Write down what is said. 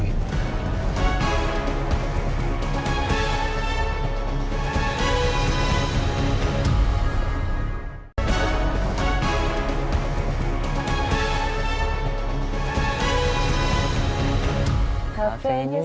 iya ada hal tertentu